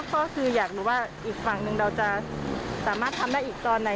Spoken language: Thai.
ก็คืออยากรู้ว่าอีกฝั่งหนึ่งเราจะสามารถทำได้อีกตอนไหน